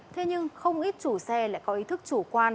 thế nhưng không ít chủ xe lại có ý thức chủ quan